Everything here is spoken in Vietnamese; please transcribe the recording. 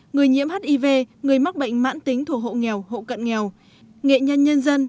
người nhiễm hiv người mắc bệnh mãn tính thuộc hộ nghèo hộ cận nghèo nghệ nhân nhân dân